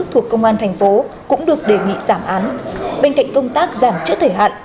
thuộc công an thành phố cũng được đề nghị giảm án bên cạnh công tác giảm chữa thời hạn